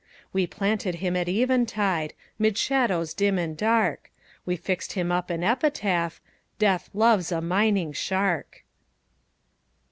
We planted him at eventide, 'Mid shadows dim and dark; We fixed him up an epitaph, "Death loves a mining shark."